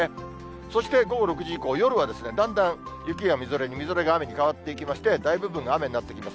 そして、午後６時以降、夜はだんだん雪がみぞれに、みぞれが雨に変わっていきまして、大部分が雨になってきます。